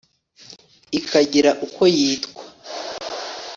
ikagira uko yitwa,